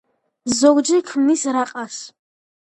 ზოგჯერ ქმნის რაყას.